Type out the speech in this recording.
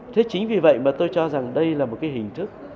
thế chính vì vậy mà tôi cho rằng đây là một cái hình thức